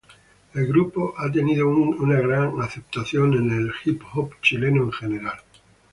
El grupo ha tenido una gran aceptación en el Hip-Hop Chileno en general.